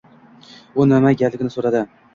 U nima gapligini soʻradi.